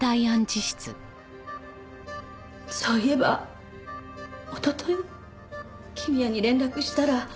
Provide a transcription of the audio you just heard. そういえばおととい公也に連絡したら。